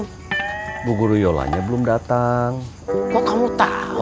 go beberapa pagi sekarang aja ya umur itu